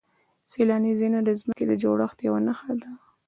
سیلاني ځایونه د ځمکې د جوړښت یوه نښه ده.